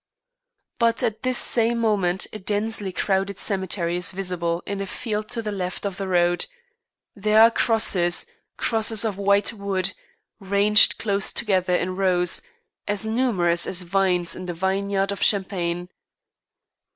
But at this same moment a densely crowded cemetery is visible in a field to the left of the road; there are crosses, crosses of white wood, ranged close together in rows, as numerous as vines in the vineyards of Champagne.